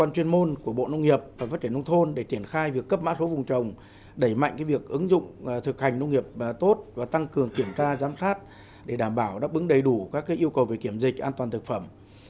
từ việc cấp mã số vùng trồng đẩy mạnh việc ứng dụng thực hành nông nghiệp tốt và tăng cường kiểm tra giám sát để đảm bảo đáp ứng đầy đủ các yêu cầu về kiểm dịch an toàn thực phẩm